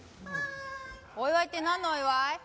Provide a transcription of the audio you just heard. お祝いってなんのお祝い？